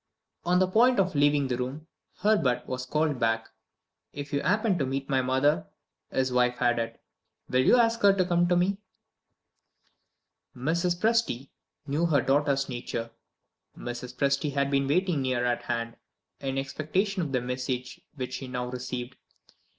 On the point of leaving the room, Herbert was called back. "If you happen to meet with my mother," his wife added, "will you ask her to come to me?" Mrs. Presty knew her daughter's nature; Mrs. Presty had been waiting near at hand, in expectation of the message which she now received.